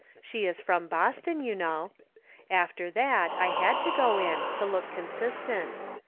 She is from Boston, you know. After that I had to go in, to look consistent.